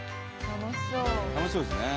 楽しそうですね。